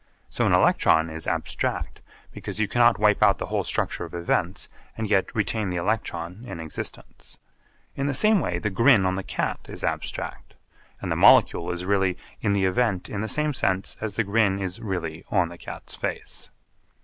So an electron is abstract because you cannot wipe out the whole structure of events and yet retain the electron in existence. In the same way the grin on the cat is abstract; and the molecule is really in the event in the same sense as the grin is really on the cat's face.